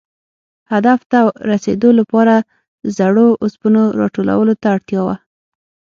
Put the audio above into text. هدف ته رسېدو لپاره زړو اوسپنو را ټولولو ته اړتیا وه.